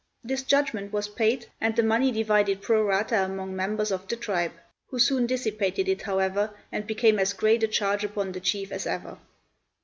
This judgment was paid and the money divided pro rata among members of the tribe, who soon dissipated it, however, and became as great a charge upon the chief as ever.